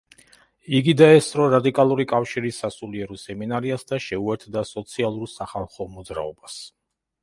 იგი დაესწრო რადიკალური კავშირის სასულიერო სემინარიას და შეუერთდა სოციალურ სახალხო მოძრაობას.